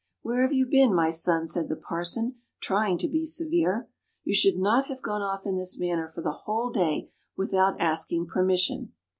"Where have you been, my son?" said the parson, trying to be severe. "You should not have gone off in this manner for the whole day without asking permission."